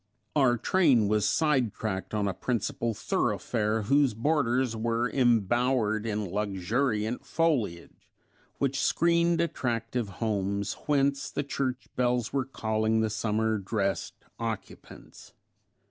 Our train was sidetracked on a principal thoroughfare whose borders were embowered in luxuriant foliage which screened attractive homes, whence the church bells were calling the summer dressed occupants.